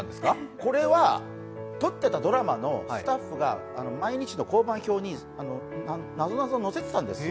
これは撮ってたドラマのスタッフが毎日の香盤票になぞなぞを載せていたんですよ。